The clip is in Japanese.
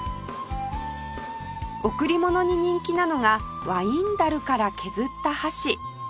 贈り物に人気なのがワイン樽から削った箸